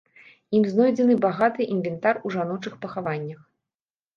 Ім знойдзены багаты інвентар у жаночых пахаваннях.